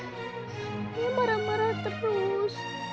dia marah marah terus